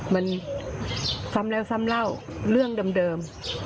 มันซ้ำแล้วซ้ำเล่าเรื่องเดิม